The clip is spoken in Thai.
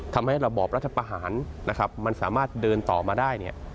ทำให้ระบอบรัฐประหารมันสามารถเดินต่อมาได้